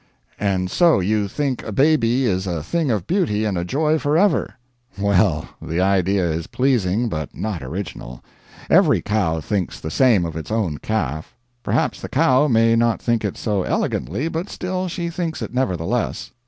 And so you think a baby is a thing of beauty and a joy forever? Well, the idea is pleasing, but not original; every cow thinks the same of its own calf. Perhaps the cow may not think it so elegantly, but still she thinks it nevertheless.